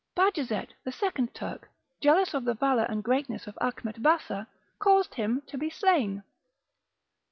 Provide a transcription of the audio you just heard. Bajazet the second Turk, jealous of the valour and greatness of Achmet Bassa, caused him to be slain.